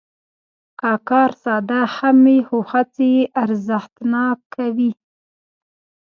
که کار ساده هم وي، خو هڅې یې ارزښتناکوي.